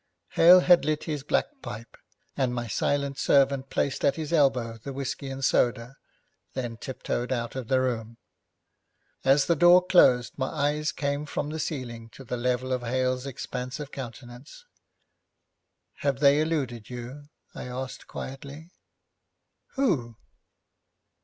Hale had lit his black pipe, and my silent servant placed at his elbow the whisky and soda, then tiptoed out of the room. As the door closed my eyes came from the ceiling to the level of Hale's expansive countenance. 'Have they eluded you?' I asked quietly. 'Who?'